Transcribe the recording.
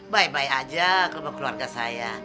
bye bye aja ke keluarga saya